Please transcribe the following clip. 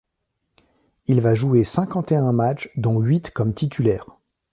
Il va jouer cinquante-et-un matchs dont huit comme titulaire.